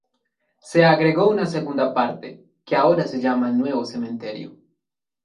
Se agregó una segunda parte, que ahora se llama el nuevo cementerio.